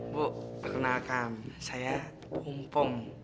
bu perkenalkan saya pompong